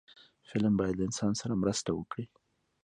فلم باید له انسان سره مرسته وکړي